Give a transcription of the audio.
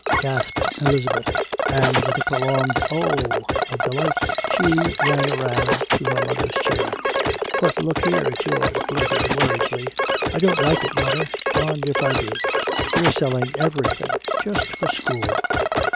gasped Elizabeth, and with a prolonged "Oh h" of delight she ran around to her mother's chair. "But look here," George blurted worriedly, "I don't like it, mother, darned if I do! You're selling everything just for school!"